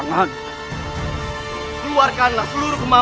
jagad dewa batara